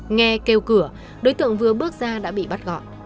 nghe kêu cửa đối tượng vừa bước ra đã bị bắt gọn